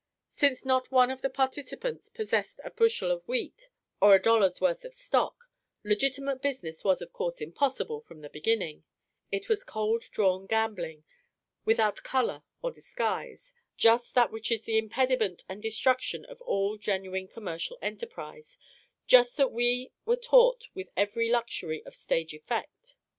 Since not one of the participants possessed a bushel of wheat or a dollar's worth of stock, legitimate business was of course impossible from the beginning. It was cold drawn gambling, without colour or disguise. Just that which is the impediment and destruction of all genuine commercial enterprise, just that we were taught with every luxury of stage effect.